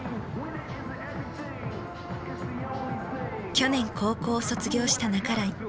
去年高校を卒業した半井。